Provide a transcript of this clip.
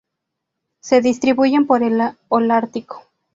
Se distribuyen por el Holártico.